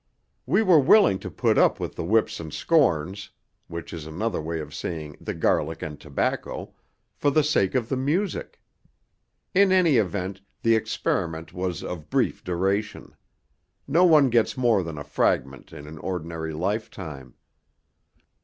We were willing to put up with the whips and scorns, which is another way of saying the garlic and tobacco, for the sake of the music. In any event the experiment was of brief duration. No one gets more than a fragment in an ordinary lifetime."